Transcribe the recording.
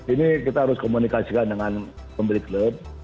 ini kita harus komunikasikan dengan pembeli klub